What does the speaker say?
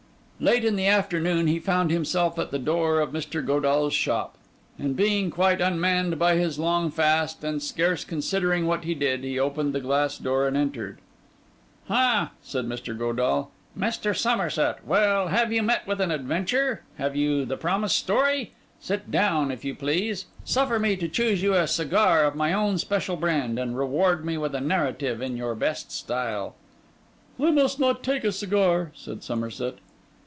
Late in the afternoon, he found himself at the door of Mr. Godall's shop; and being quite unmanned by his long fast, and scarce considering what he did, he opened the glass door and entered. 'Ha!' said Mr. Godall, 'Mr. Somerset! Well, have you met with an adventure? Have you the promised story? Sit down, if you please; suffer me to choose you a cigar of my own special brand; and reward me with a narrative in your best style.' 'I must not take a cigar,' said Somerset.